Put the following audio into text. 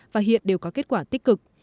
và hiện đều có kết quả tích cực